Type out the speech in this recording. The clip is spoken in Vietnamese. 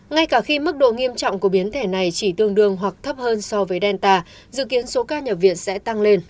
ngay cả khi mức độ nghiêm trọng của biến thể này chỉ tương đương hoặc thấp hơn so với delta dự kiến số ca nhập viện sẽ tăng lên